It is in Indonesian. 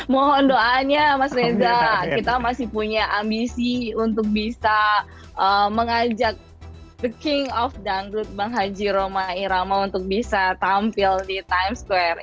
mohon doanya mas reza kita masih punya ambisi untuk bisa mengajak the king of dangdut bang haji roma irama untuk bisa tampil di times square